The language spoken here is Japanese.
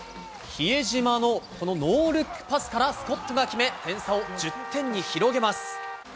比江島のこのノールックパスからスコットが決め、点差を１０点に広げます。